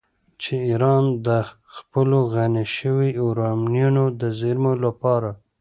چې ایران د خپلو غني شویو یورانیمو د زیرمو لپاره